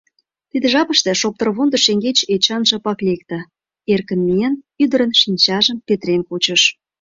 Тиде жапыште шоптырвондо шеҥгеч Эчан шыпак лекте, эркын миен, ӱдырын шинчажым петырен кучыш.